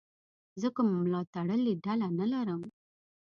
زه کومه ملاتړلې ډله نه لرم.